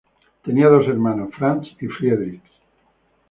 Tenía dos hermanos, Franz y Friedrich.